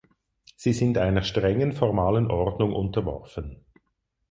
Sie sind einer strengen formalen Ordnung unterworfen.